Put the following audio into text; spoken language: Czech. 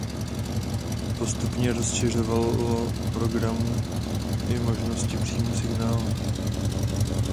Postupně rozšiřovalo program i možnosti příjmu signálu.